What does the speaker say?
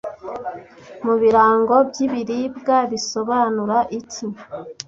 Mubirango byibiribwa bisobanura iki